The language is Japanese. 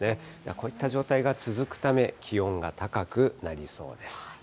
こういった状態が続くため、気温が高くなりそうです。